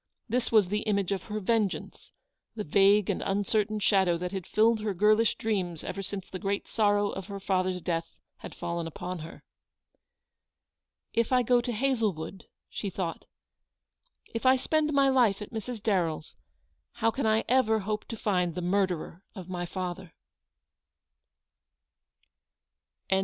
This was the image of her vengeance, the vague and uncertain shadow that had filled her girlish dreams ever since the great sorrow of her father's death had fallen upon her. "If I go to Hazlewood," she thought, "if I spend my life at Mrs. Darren" s, how can I ever hope to find the murderer of my father